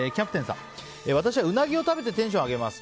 私はウナギを食べてテンションを上げます。